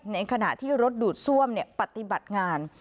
ในขณะที่รถดูดซ่วมปฏิบัติงาน